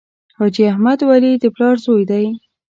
حاجي احمد ولي د پلار زوی دی.